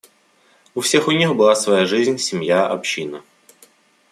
У всех у них была своя жизнь, семья, община.